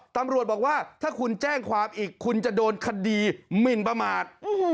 ตำรวจบอกว่าถ้าคุณแจ้งความอีกคุณจะโดนคดีหมินประมาท